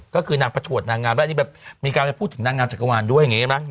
ก็คือนางประถวดนางงามและมีการพูดถึงนางงามจักรวาลด้วย